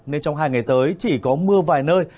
nên trong hai ngày tới chỉ có mưa vài nơi